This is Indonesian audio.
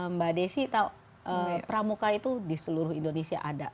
mbak desi tahu pramuka itu di seluruh indonesia ada